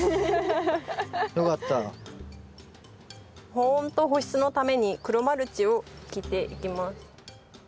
保温と保湿のために黒マルチを敷いていきます。